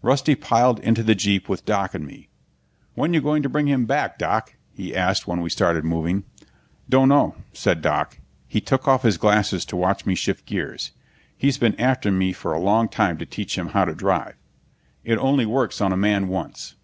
Rusty piled into the jeep with Doc and me. "When you going to bring him back, Doc?" he asked when we started moving. "Dunno," said Doc. He took off his glasses to watch me shift gears. He's been after me for a long time to teach him how to drive. "It only works on a man once."